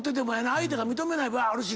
相手が認めない場合あるしな。